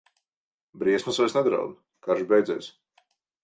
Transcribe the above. Briesmas vairs nedraud, karš beidzies.